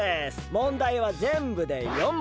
問題はぜんぶで４問！